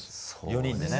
４人でね。